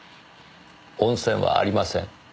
温泉はありません。